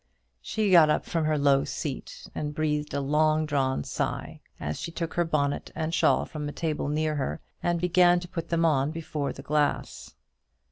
She got up from her low seat, and breathed a long drawn sigh as she took her bonnet and shawl from a table near her, and began to put them on before the glass.